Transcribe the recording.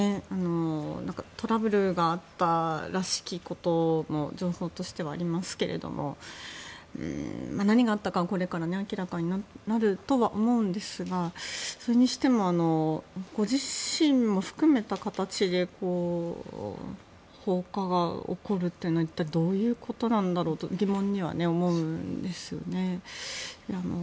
トラブルがあったらしきことも情報としてはありますけれど何があったかはこれから明らかになるとは思うんですがそれにしてもご自身も含めた形で放火が起こるというのは一体どういうことなんだろうと疑問には思うんですよね。